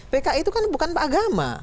pki itu kan bukan agama